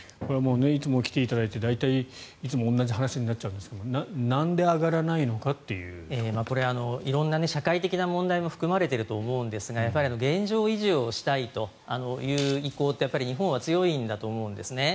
いつも来ていただいて大体、いつも同じ話になっちゃうんですがこれは色々な社会的な問題も含まれていると思うんですが現状維持をしたいという意向って日本は強いんだと思うんですね。